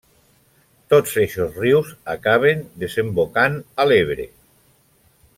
Tots eixos rius acaben desembocant a l'Ebre.